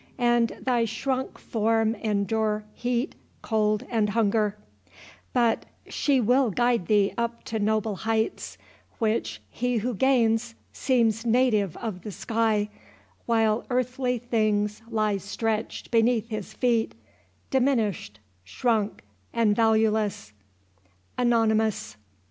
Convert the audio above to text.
And thy shrunk form endure heat, cold, and hunger; But she will guide thee up to noble heights, Which he who gains seems native of the sky, While earthly things lie stretch'd beneath his feet, Diminish'd, shrunk, and valueless— ANONYMOUS.